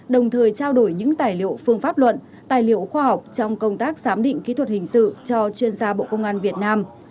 đồng thời trao đổi những tài liệu phương pháp luận tài liệu khoa học trong công tác giám định kỹ thuật hình sự cho chuyên gia bộ công an việt nam